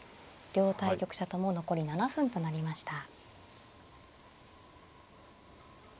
両対局者とも残り７分となりました。